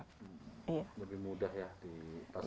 lebih mudah ya di pasar